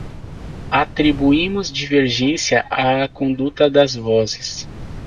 Atribuímos divergência à conduta das vozes.